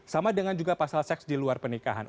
sama dengan juga pasal seks di luar pernikahan